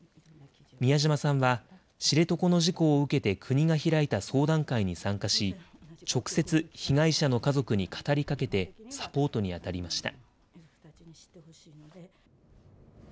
美谷島さんは、知床の事故を受けて国が開いた相談会に参加し、直接、被害者の家族に語りかけてサポートに当たりました。